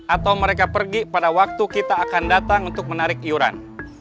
atau mereka pergi pada waktu kita akan datang untuk menarik iuran